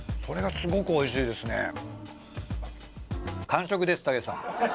これがすごくおいしいですね。